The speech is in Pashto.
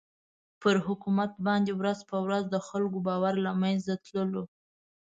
پر حکومت باندې ورځ په ورځ د خلکو باور له مېنځه تللو.